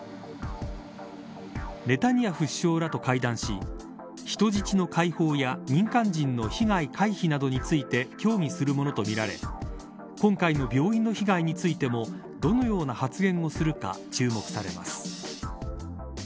ネタニヤフ首相らと会談し人質の解放や民間人の被害回避などについて協議するものとみられ今回の病院の被害についてもどのような発言をするか注目されます。